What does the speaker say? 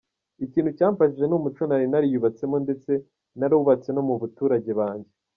"Ikintu cyamfashije ni umuco nari nariyubatsemo ndetse narawubatse no mu baturage banjye.